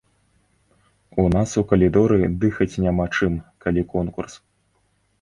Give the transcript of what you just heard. У нас у калідоры дыхаць няма чым, калі конкурс.